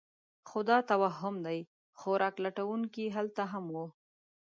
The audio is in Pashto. خو دا توهم دی؛ خوراک لټونکي هلته هم وو.